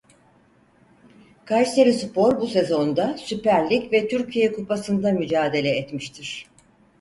Kayserispor bu sezonda Süper Lig ve Türkiye Kupasında mücadele etmiştir.